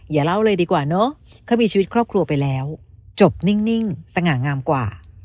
อย่าเล่าเลยดีกว่าเนอะเขามีชีวิตครอบครัวไปแล้วจบนิ่งสง่างามกว่า